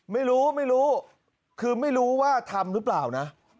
ไม่รู้ไม่รู้คือไม่รู้ว่าทำหรือเปล่านะ